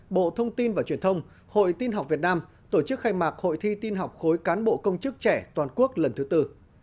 bộ thông tin và truyền thông hội tin học việt nam tổ chức khai mạc hội thi tin học khối cán bộ công chức trẻ toàn quốc lần thứ tư